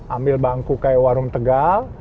ambil bangku kayak warung tegal